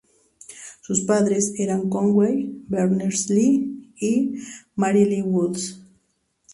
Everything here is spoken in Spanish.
Sus padres eran Conway Berners-Lee y Mary Lee Woods.